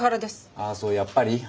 ああそうやっぱり？